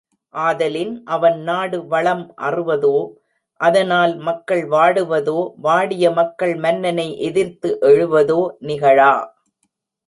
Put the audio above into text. ஆதலின், அவன் நாடு வளம் அறுவதோ, அதனால் மக்கள் வாடுவதோ, வாடிய மக்கள் மன்னனை எதிர்த்து எழுவதோ நிகழா.